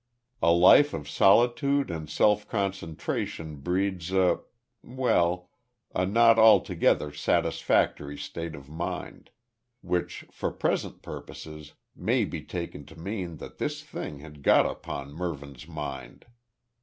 A life of solitude and self concentration breeds a well, a not altogether satisfactory state of mind; which for present purposes may be taken to mean that this thing had got upon Mervyn's mind.